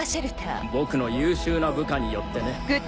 僕の優秀な部下によってね。